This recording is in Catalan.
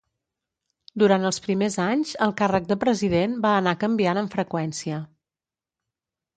Durant els primers anys, el càrrec de president va anar canviant amb freqüència.